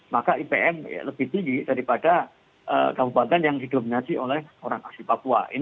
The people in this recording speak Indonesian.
maka ipm lebih tinggi daripada kabupaten yang didominasi oleh orang asli papua